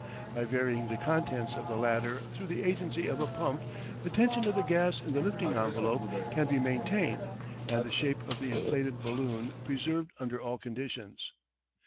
By varying the contents of the latter through the agency of a pump the tension of the gas in the lifting envelope can be maintained, and the shape of the inflated balloon preserved under all conditions.